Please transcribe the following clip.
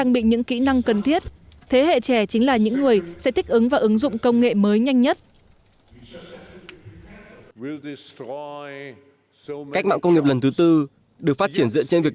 diễn đàn kinh tế thế giới về asean hai nghìn một mươi tám